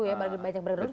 ya banyak bergerak dulu